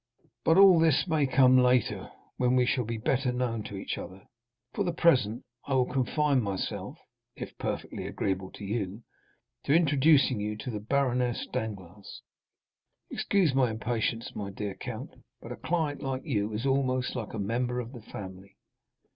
"But all this may come later, when we shall be better known to each other. For the present, I will confine myself (if perfectly agreeable to you) to introducing you to the Baroness Danglars—excuse my impatience, my dear count, but a client like you is almost like a member of the family."